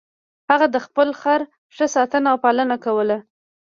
هغه د خپل خر ښه ساتنه او پالنه کوله.